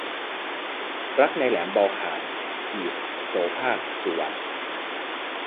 รักในแหลมบอลข่าน - โสภาค สุวรรณ